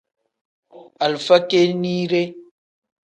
Alifa kinide.